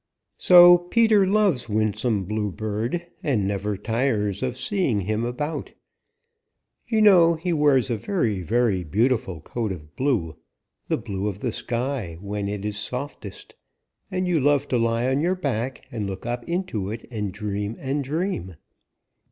So Peter loves Winsome Bluebird and never tires of seeing him about. You know he wears a very, very beautiful coat of blue, the blue of the sky when it is softest, and you love to lie on your back and look up into it and dream and dream.